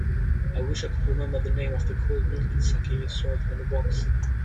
I wish I could remember the name of the cold milky saké served in a box.